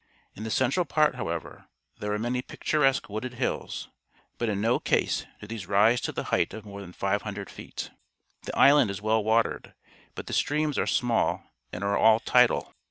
In the central part, however, there are many pictur esque wooded hills, but in no case do these rise to a height of more than 500 feet. The island is well watered, but the streams are small and are all tidal.